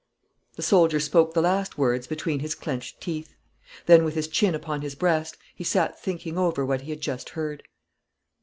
The soldier spoke the last words between his clenched teeth. Then with his chin upon his breast, he sat thinking over what he had just heard.